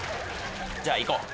じゃあ行こう。